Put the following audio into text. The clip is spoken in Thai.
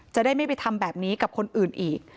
จะได้ไม่ไปทำแบบนี้กับคนอื่นอีก